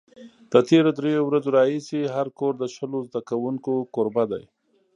له تېرو درېیو ورځو راهیسې هر کور د شلو زده کوونکو کوربه دی.